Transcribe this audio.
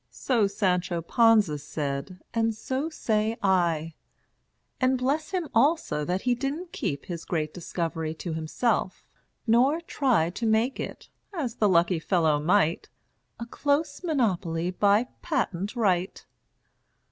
So Sancho Panza said, and so say I: And bless him, also, that he didn't keep His great discovery to himself; nor try To make it as the lucky fellow might A close monopoly by patent right!